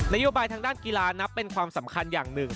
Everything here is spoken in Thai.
โยบายทางด้านกีฬานับเป็นความสำคัญอย่างหนึ่ง